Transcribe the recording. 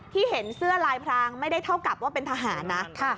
เห็นเสื้อลายพรางไม่ได้เท่ากับว่าเป็นทหารนะ